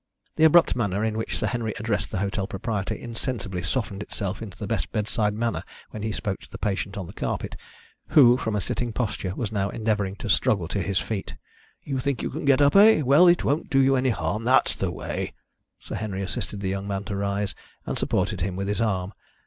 The abrupt manner in which Sir Henry addressed the hotel proprietor insensibly softened itself into the best bedside manner when he spoke to the patient on the carpet, who, from a sitting posture, was now endeavouring to struggle to his feet. "You think you can get up, eh? Well, it won't do you any harm. That's the way!" Sir Henry assisted the young man to rise, and supported him with his arm.